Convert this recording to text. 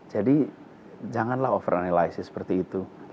jadi janganlah overanalyze seperti itu